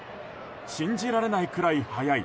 信じられないくらい速い。